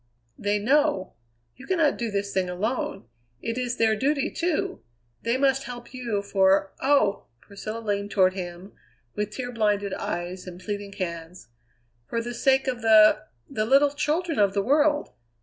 They know you cannot do this thing alone; it is their duty, too they must help you, for, oh!" Priscilla leaned toward him with tear blinded eyes and pleading hands "For the sake of the the little children of the world.